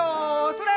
それ！